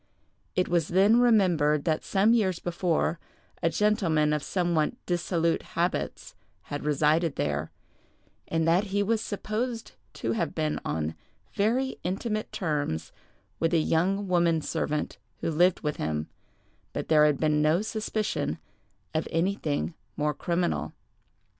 It was then remembered that some years before a gentleman of somewhat dissolute habits had resided there, and that he was supposed to have been on very intimate terms with a young woman servant who lived with him, but there had been no suspicion of anything more criminal.